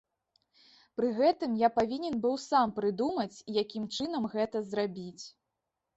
Пры гэтым я павінен быў сам прыдумаць, якім чынам гэта зрабіць.